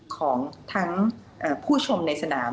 ของทั้งผู้ชมในสนาม